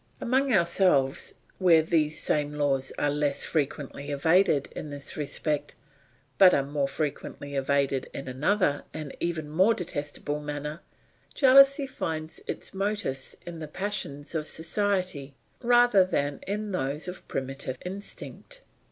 Among ourselves where these same laws are less frequently evaded in this respect, but are more frequently evaded in another and even more detestable manner, jealousy finds its motives in the passions of society rather than in those of primitive instinct.